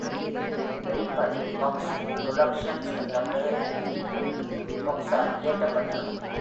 ஒலிப்பதிவு Fox productions என்ற பெயரில் rig ஃபாக்ஸால் இயற்றப்பட்டது.